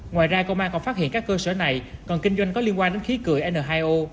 ngoài ra công an còn phát hiện các cơ sở này còn kinh doanh có liên quan đến khí cười n hai o